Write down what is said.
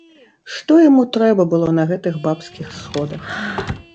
Што яму трэба было на гэтых бабскіх сходах?